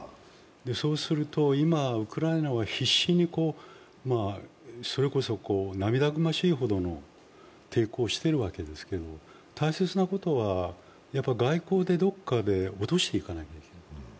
そうすると、今ウクライナは必死にそれこそ涙ぐましいほどの抵抗をしているわけですけど、大切なことはやっぱ外交でどこかで落としていかなければならない。